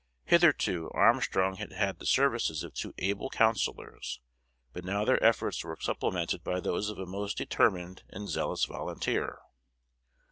Hitherto Armstrong had had the services of two able counsellors, but now their efforts were supplemented by those of a most determined and zealous volunteer.